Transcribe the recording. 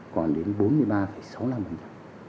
còn đến bốn triệu